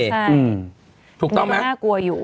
นี่ก็น่ากลัวอยู่